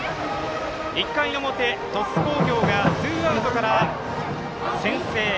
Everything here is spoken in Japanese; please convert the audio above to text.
１回の表、鳥栖工業がツーアウトから先制。